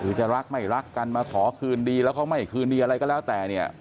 คือจะรักไม่รักกันมาขอคืนดีแล้วเขาไม่คืนดีอะไรก็แล้วแต่เนี่ย